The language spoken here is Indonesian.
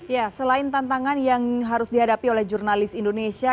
ya selain tantangan yang harus dihadapi oleh jurnalis indonesia